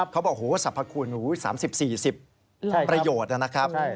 เขาบอกสรรพคุณ๓๐๔๐ประโยชน์นะครับ